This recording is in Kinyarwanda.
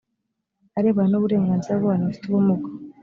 arebana n uburenganzira bw abantu bafite ubumuga